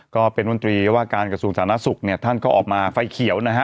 ก็เป็นมันตรีว่าการกระทรวงสถานะศุกร์ท่านก็ออกมาไฟเขียวนะฮะ